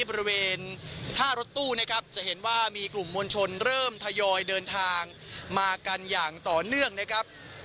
บริเวณท่ารถตู้นะครับจะเห็นว่ามีกลุ่มมวลชนเริ่มทยอยเดินทางมากันอย่างต่อเนื่องนะครับ